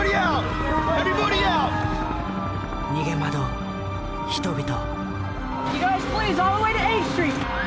逃げ惑う人々。